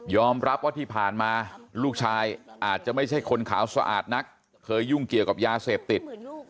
รับว่าที่ผ่านมาลูกชายอาจจะไม่ใช่คนขาวสะอาดนักเคยยุ่งเกี่ยวกับยาเสพติด